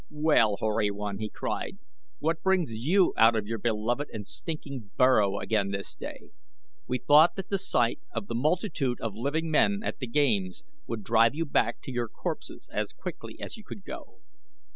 "Well, hoary one!" he cried. "What brings you out of your beloved and stinking burrow again this day. We thought that the sight of the multitude of living men at the games would drive you back to your corpses as quickly as you could go."